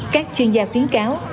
các chuyên gia khuyến cáo